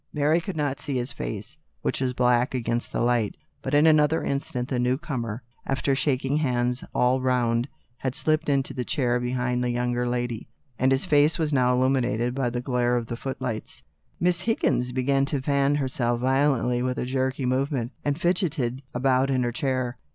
Mary could not see his face, which was black against the light. In another instant the man, after shaking hands all round, had slipped into the chair behind the younger lady, and his face was now illuminated by the glare of the footlights. Miss Higgins began to fan herself violently with a jerky movement, and fidgetted about in her chair.